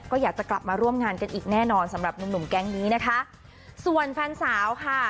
ก็อยากจะกลับมาร่วมงานกันอีกแน่นอนสำหรับหนุ่มหนุ่มแก๊งนี้นะคะส่วนแฟนสาวค่ะ